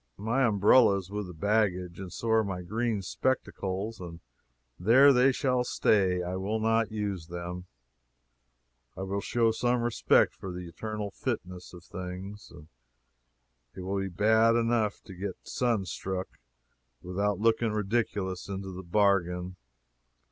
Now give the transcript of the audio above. My umbrella is with the baggage, and so are my green spectacles and there they shall stay. I will not use them. I will show some respect for the eternal fitness of things. It will be bad enough to get sun struck, without looking ridiculous into the bargain.